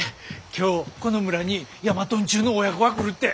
今日この村にヤマトンチュの親子が来るって。